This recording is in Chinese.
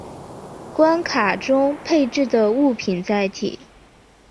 关卡中配置的物品载体。